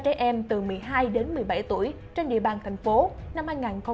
trẻ em từ một mươi hai đến một mươi bảy tuổi trên địa bàn thành phố năm hai nghìn hai mươi một hai nghìn hai mươi hai